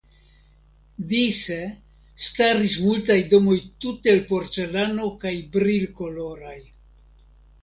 Dise staris multaj domoj tute el porcelano kaj brilkoloraj.